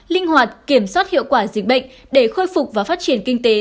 linh hoạt kiểm soát hiệu quả dịch bệnh để khôi phục và phát triển kinh tế